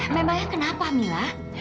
memangnya kenapa mila